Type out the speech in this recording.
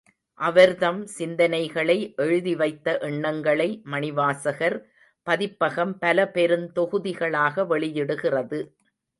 அவர்தம் சிந்தனைகளை, எழுதிவைத்த எண்ணங்களை மணிவாசகர் பதிப்பகம் பல பெருந் தொகுதிகளாக வெளியிடுகிறது.